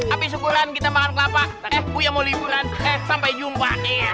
api syukuran kita makan kelapa eh bu ya mau liburan eh sampai jumpa